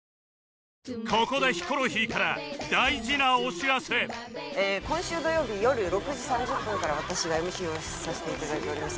ここで今週土曜日よる６時３０分から私が ＭＣ をさせていただいております